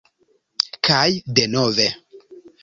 Kaj denove.